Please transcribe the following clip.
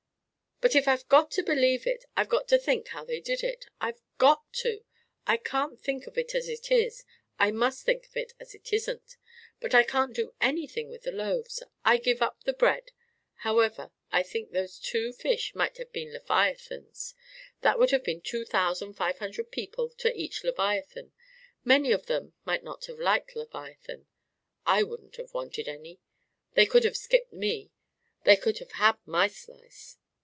"But if I've got to believe it, I've got to think how they did it! I've got to! If I can't think of it as it is, I must think of it as it isn't! But I can't do anything with the loaves; I give up the bread. However, I think those two fish might have been leviathans. That would be only two thousand five hundred people to each leviathan. Many of them might not have liked leviathan. I wouldn't have wanted any! They could have skipped me! They could have had my slice!